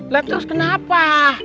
lepas itu kenapa